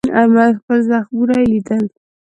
خپل زخمونه یې لیدل.